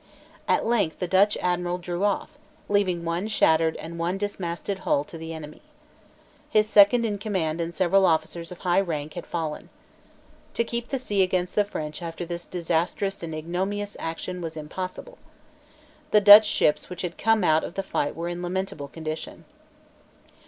At length the Dutch Admiral drew off, leaving one shattered and dismasted hull to the enemy. His second in command and several officers of high rank had fallen. To keep the sea against the French after this disastrous and ignominious action was impossible. The Dutch ships which had come out of the fight were in lamentable condition.